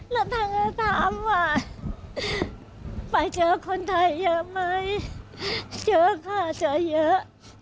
แล้วท่านก็ถามว่าไปเจอคนไทยเยอะไหมเจอค่ะเจอเยอะ